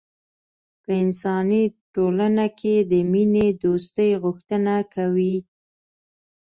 په انساني ټولنه کې د مینې دوستۍ غوښتنه کوي.